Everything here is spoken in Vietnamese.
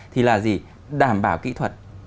thì là gì đảm bảo kỹ thuật